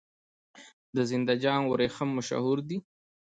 د زنده جان وریښم مشهور دي